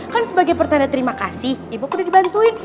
kan sebagai pertanda terima kasih ibu udah dibantuin